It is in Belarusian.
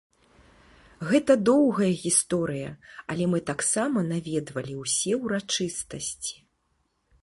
Гэта доўгая гісторыя, але мы таксама наведвалі ўсе ўрачыстасці.